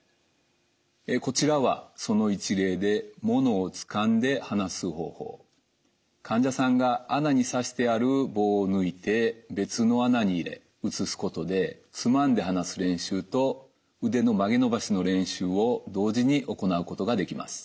こちらはその一例で患者さんが穴に差してある棒を抜いて別の穴に入れ移すことでつまんで放す練習と腕の曲げ伸ばしの練習を同時に行うことができます。